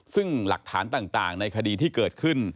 ซึ่งหลักฐานต่างในคดีที่เกิดขึ้น